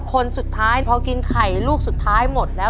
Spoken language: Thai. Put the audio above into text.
คนสุดท้ายพอกินไข่ลูกสุดท้ายหมดแล้ว